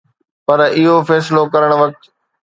پر اهو فيصلو ڪرڻ وقت